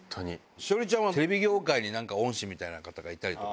栞里ちゃんはテレビ業界になんか恩師みたいな方がいたりとか？